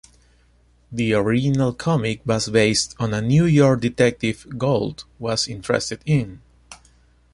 The original comic was based on a New York detective Gould was interested in.